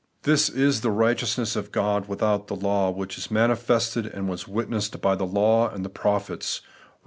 This is * the righteousness of God without the law which is manifested, and was witnessed by the law and tie prophets ' (Eom.